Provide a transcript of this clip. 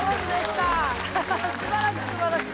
すばらしい、すばらしい。